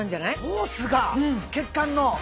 ホースが血管の。